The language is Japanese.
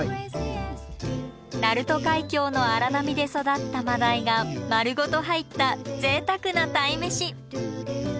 鳴門海峡の荒波で育った真鯛が丸ごと入ったぜいたくな鯛めし。